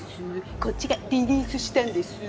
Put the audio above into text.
こっちがリリースしたんですぅ。